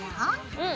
うん。